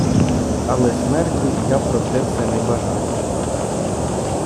Але смерті я про те все не бажаю.